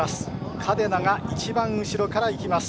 カデナが一番後ろからいきます。